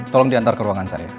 tolong diantar ke ruangan saya